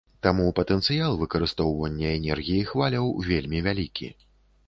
Таму патэнцыял выкарыстоўвання энергіі хваляў вельмі вялікі.